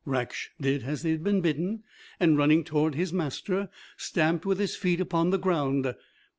Raksh did as he had been bidden, and running towards his master, stamped with his feet upon the ground.